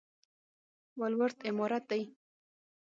ولورت عمارت دی؟